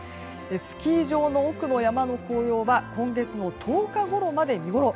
スキー場の奥の山の紅葉は今月の１０日ごろまで見ごろ。